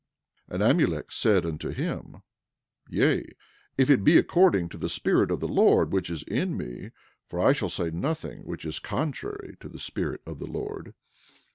11:22 And Amulek said unto him: Yea, if it be according to the Spirit of the Lord, which is in me; for I shall say nothing which is contrary to the Spirit of the Lord.